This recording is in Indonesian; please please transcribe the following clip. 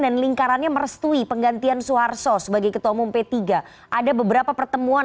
dan lingkarannya merestui penggantian suharto sebagai ketua umum p tiga ada beberapa pertemuan